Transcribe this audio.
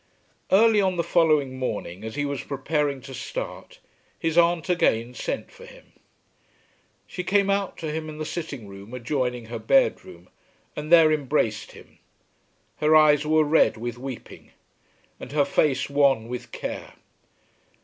Early on the following morning, as he was preparing to start, his aunt again sent for him. She came out to him in the sitting room adjoining her bedroom and there embraced him. Her eyes were red with weeping, and her face wan with care.